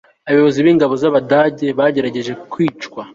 abayobozi b'ingabo z'abadage bagerageje kwicwa